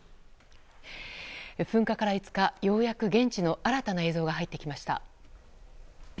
噴火から５日、ようやく現地の新たな映像が入ってきました。